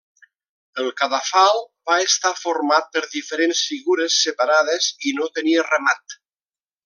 El cadafal va estar format per diferents figures separades i no tenia remat.